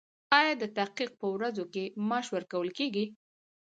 ایا د تحقیق په ورځو کې معاش ورکول کیږي؟